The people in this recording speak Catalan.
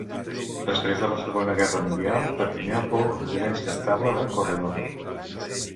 Després de la Segona Guerra Mundial, Perpinyà fou la residència estable de Corredor.